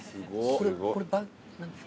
これ何ですか？